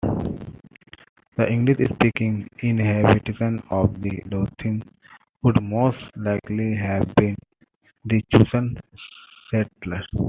The English-speaking inhabitants of the Lothians would most likely have been the chosen settlers.